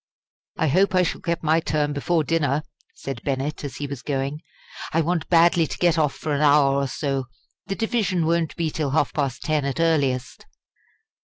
"I hope I shall get my turn before dinner," said Bennett, as he was going; "I want badly to get off for an hour or so. The division won't be till half past ten at earliest."